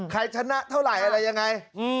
ใครชนะเท่าไหร่อะไรยังไง